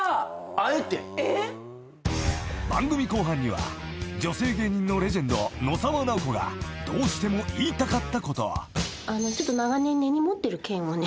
［番組後半には女性芸人のレジェンド野沢直子がどうしても言いたかったこと］